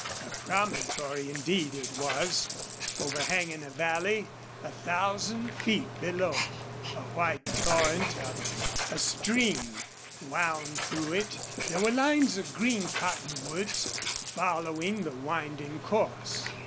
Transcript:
A promontory indeed it was, overhanging a valley a thousand feet below. A white torrent of a stream wound through it. There were lines of green cottonwoods following the winding course.